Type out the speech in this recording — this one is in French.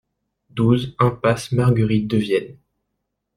douze impasse Marguerite de Vienne